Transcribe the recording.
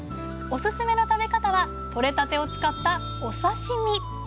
おすすめの食べ方は取れたてを使ったお刺身。